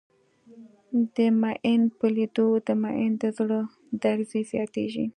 د ميئن په لېدو د ميئن د زړه درزه زياتېږي.